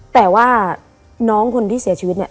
แต่ว่าน้องคนที่เสียชีวิตเนี่ย